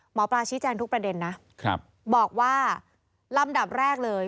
หมอปลาชี้แจงทุกประเด็นนะบอกว่าลำดับแรกเลย